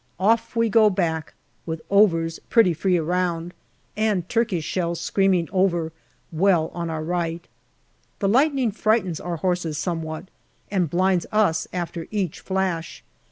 Off we go back, with " overs " pretty free around, and Turkish shells screaming over, well on our right. The lightning frightens our horses somewhat, and blinds us after each flash.